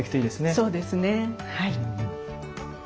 そうですねはい。